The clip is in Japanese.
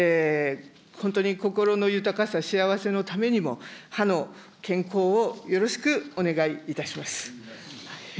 本当に心の豊かさ、幸せのためにも、歯の健康をよろしくお願いいたします。